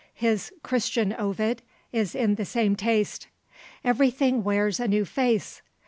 His Christian Ovid, is in the same taste; everything wears a new face.